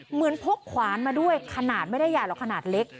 เหมือนพกขวานมาด้วยขนาดไม่ได้ใหญ่แต่ขนาดเล็ก